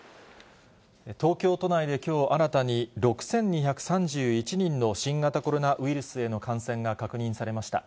東京都内できょう新たに、６２３１人の新型コロナウイルスへの感染が確認されました。